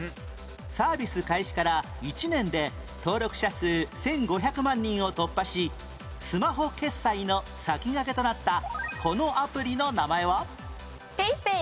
サービス開始から１年で登録者数１５００万人を突破しスマホ決済の先駆けとなったこのアプリの名前は？